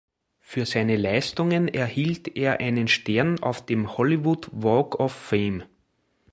Für seine Leistungen erhielt er einen Stern auf dem Hollywood Walk of Fame.